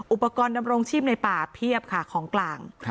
อุปกรณ์ดำรงชีพในป่าเพียบค่ะของกลาง